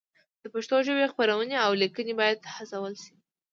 د پښتو ژبې خپرونې او لیکنې باید هڅول شي.